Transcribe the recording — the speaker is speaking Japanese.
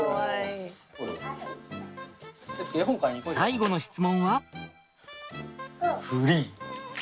最後の質問は？